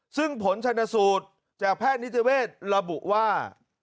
ซึ่งผลชนสูตรจากแพทย์นิติเวศระบุว่า